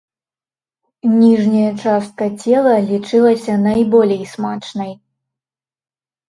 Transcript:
Ніжняя частка цела лічылася найболей смачнай.